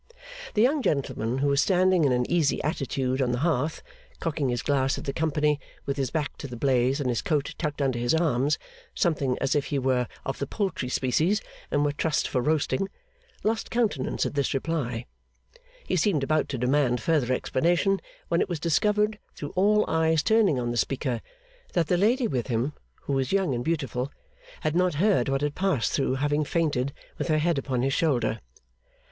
The young gentleman who was standing in an easy attitude on the hearth, cocking his glass at the company, with his back to the blaze and his coat tucked under his arms, something as if he were Of the Poultry species and were trussed for roasting, lost countenance at this reply; he seemed about to demand further explanation, when it was discovered through all eyes turning on the speaker that the lady with him, who was young and beautiful, had not heard what had passed through having fainted with her head upon his shoulder.